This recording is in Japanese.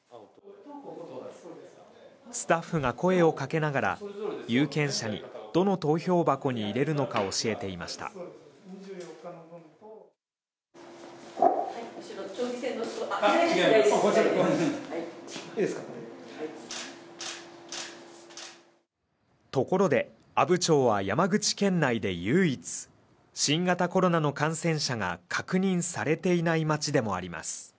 スタッフが声をかけながら有権者にどの投票箱に入れるのか教えていましたところで阿武町は山口県内で唯一新型コロナの感染者が確認されていない町でもあります